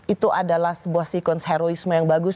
itu adalah sebuah siklus heroisme yang bagus